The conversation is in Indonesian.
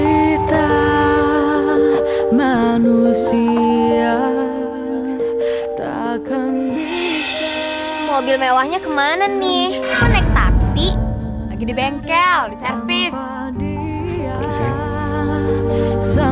kita manusia tak kembisa mobil mewahnya kemana nih menek taksi lagi di bengkel servis